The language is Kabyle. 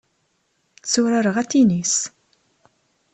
Tturareɣ atinis.